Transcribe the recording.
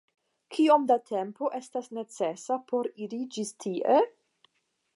Kiom da tempo estas necesa por iri ĝis tie?